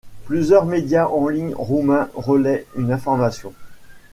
Plusieurs médias en ligne roumain relaient une information.